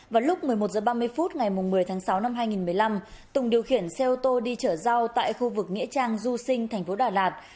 vào lúc một mươi một h ba mươi phút ngày một mươi tháng sáu năm hai nghìn một mươi năm tùng điều khiển xe ô tô đi chở rau tại khu vực nghĩa trang du sinh thành phố đà lạt